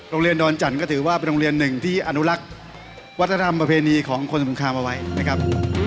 โรงเรียนดอนจันทร์ก็ถือว่าเป็นโรงเรียนหนึ่งที่อนุรักษ์วัฒนธรรมประเพณีของคนสงครามเอาไว้นะครับ